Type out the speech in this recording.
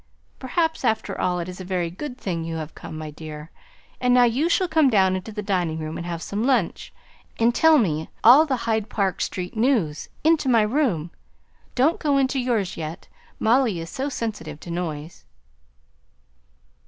Perhaps, after all, it is a very good thing you have come, my dear; and now you shall come down into the dining room and have some lunch, and tell me all the Hyde Park Street news into my room, don't go into yours yet Molly is so sensitive to noise!"